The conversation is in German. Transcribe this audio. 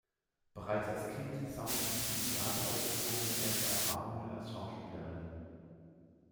Bereits als Kind sammelte sie in Theateraufführungen erste Erfahrungen als Schauspielerin.